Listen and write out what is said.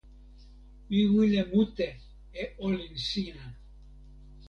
mi wile mute e olin sina!